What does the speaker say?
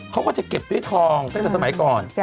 เขาก็จะเก็บด้วยทองตั้งแต่สมัยก่อน